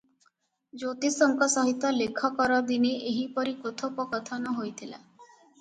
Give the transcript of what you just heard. ଜ୍ୟୋତିଷଙ୍କ ସହିତ ଲେଖକର ଦିନେ ଏହିପରି କଥୋପକଥନ ହୋଇଥିଲା ।